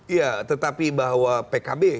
iya tetapi bahwa pkb